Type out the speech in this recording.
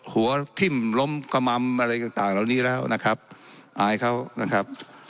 หัวทิ่มล้มกระมัมอะไรต่างต่างเหล่านี้แล้วนะครับอายเขานะครับ